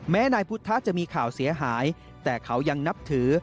นายพุทธจะมีข่าวเสียหายแต่เขายังนับถือ